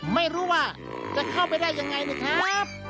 ไม่รู้ว่าจะเข้าไปได้ยังไงนะครับ